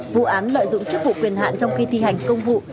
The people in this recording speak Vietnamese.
vụ án lợi dụng chức vụ quyền hạn trong khi thi hành công vụ